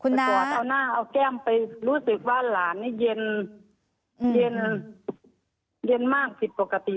คุณกลัวเอาหน้าเอาแก้มไปรู้สึกว่าหลานนี่เย็นเย็นมากผิดปกติ